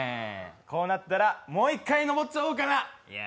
こうなったらもう一回上っちゃおうかな。